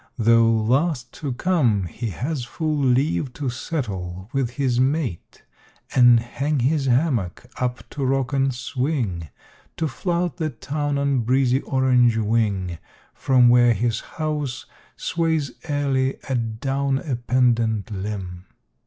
Though last to come he has full leave to settle, with his mate, And hang his hammock up to rock and swing, To flout the town on breezy, orange wing From where his house sways airily adown a pendant limb.